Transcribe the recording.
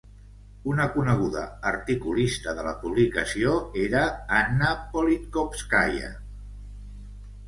Una coneguda articulista de la publicació era Anna Politkóvskaia.